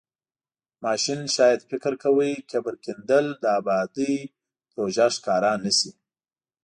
ماشین شاید فکر کاوه قبر کیندل د ابادۍ پروژه ښکاره نشي.